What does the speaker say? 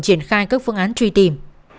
triển khai các phương án truy tìm